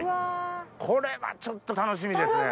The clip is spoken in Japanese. これはちょっと楽しみですね。